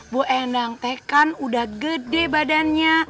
bu endang teh kan udah gede badannya